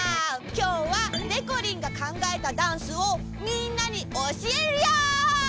きょうはでこりんがかんがえたダンスをみんなにおしえるよ。